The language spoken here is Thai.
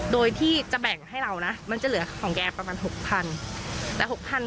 โดยที่จะแบ่งให้เรานะมันจะเหลือของแกประมาณ๖๐๐